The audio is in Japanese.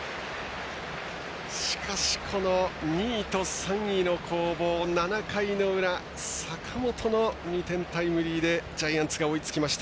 しかし、この２位と３位の攻防７回の裏坂本の２点タイムリーでジャイアンツが追いつきました。